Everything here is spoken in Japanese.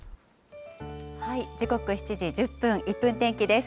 時刻７時１０分、１分天気です。